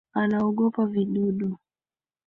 Anaogopa vidudu